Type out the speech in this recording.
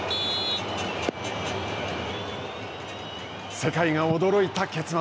世界が驚いた結末。